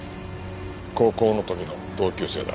高校の時の同級生だ。